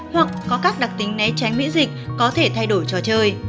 hoặc có các đặc tính né tránh miễn dịch có thể thay đổi trò chơi